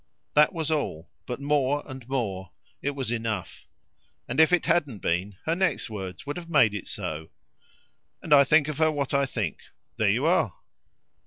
That was all; but, more and more, it was enough; and if it hadn't been her next words would have made it so. "And I think of her what I think. There you are."